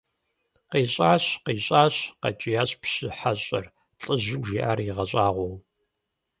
КъищӀащ! КъищӀащ! – къэкӀиящ пщы хьэщӀэр, лӀыжьым жиӀар игъэщӀагъуэу.